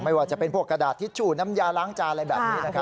ไม่ว่าจะเป็นพวกกระดาษทิชชูน้ำยาล้างจานอะไรแบบนี้